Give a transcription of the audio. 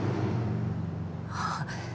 ああ。